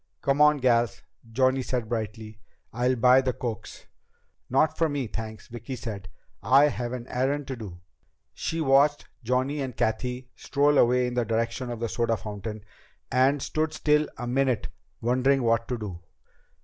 "Come on, gals," Johnny said brightly. "I'll buy the cokes." "Not for me, thanks," Vicki said. "I have an errand to do." She watched Johnny and Cathy stroll away in the direction of the soda fountain, and stood still a minute wondering what to do.